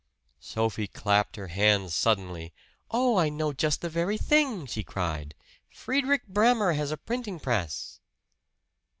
Sophie clapped her hands suddenly. "Oh, I know just the very thing!" she cried. "Friedrich Bremer has a printing press!"